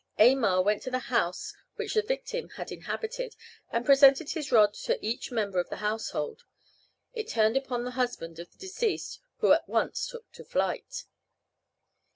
Aymar went to the house which the victim had inhabited, and presented his rod to each member of the household. It turned upon the husband of the deceased, who at once took to flight.